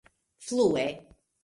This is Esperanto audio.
flue